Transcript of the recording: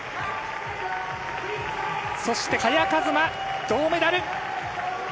そして萱和磨、銅メダル。